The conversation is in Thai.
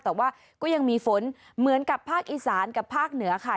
แต่ว่าก็ยังมีฝนเหมือนกับภาคอีสานกับภาคเหนือค่ะ